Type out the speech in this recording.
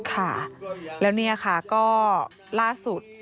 ค่ะแล้วเนี่ยค่ะก็ล่าสุด